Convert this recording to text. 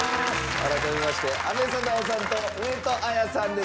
改めまして阿部サダヲさんと上戸彩さんです。